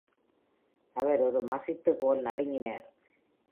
அவர் ஒரு மசித்து போல் நடுங்கினார்.